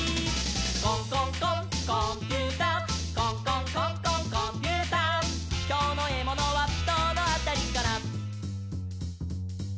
「コンコンコンコンピューター」「コンコンコンコンコンピューター」「きょうのエモノはどのあたりかな」